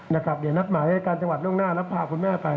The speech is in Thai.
เดี๋ยวนัดหมายอายการจังหวัดล่วงหน้าแล้วพาคุณแม่ไป